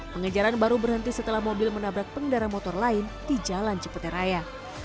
pengejaran baru berhenti setelah mobil menabrak pengendara motor lain di jalan ciputeraya